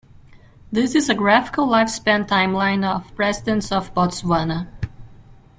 This is a graphical lifespan timeline of Presidents of Botswana.